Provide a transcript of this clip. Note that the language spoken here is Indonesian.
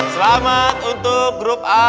selamat untuk grup a